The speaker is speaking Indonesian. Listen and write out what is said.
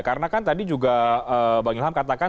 karena kan tadi juga bang ilham katakan